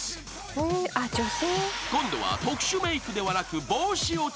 ［今度は特殊メークではなく］